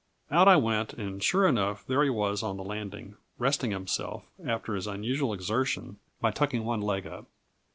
Out I went, and sure enough there he was on the landing, resting himself, after his unusual exertion, by tucking one leg up.